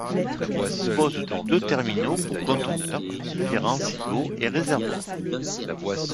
Il dispose de deux terminaux pour conteneurs, différents silos et réservoirs.